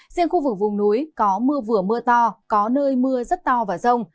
riêng khu vực vùng núi có mưa vừa mưa to có nơi mưa rất to và rông